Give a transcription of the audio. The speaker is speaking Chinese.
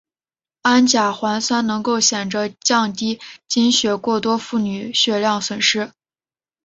氨甲环酸能够显着降低经血过多妇女的血量损失。